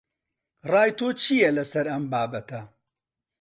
ڕای تۆ چییە لەسەر ئەم بابەتە؟